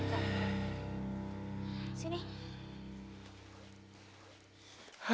malah jadi sedih tau gak